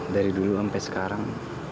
dari dulu sampai sekarang